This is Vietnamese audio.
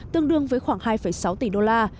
tương đương với khoảng hai sáu tỷ đô la